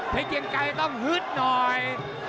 เพชรเกงไกต้องฮึ่ดหน่อย